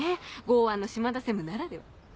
剛腕の島田専務ならでは。